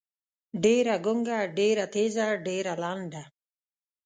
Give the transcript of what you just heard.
ډېــره ګونګــــــه، ډېــره تېــزه، ډېــره لنډه.